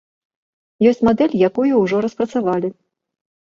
Ёсць мадэль, якую ужо распрацавалі.